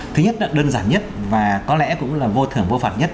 thứ nhất là đơn giản nhất và có lẽ cũng là vô thưởng vô phạm nhất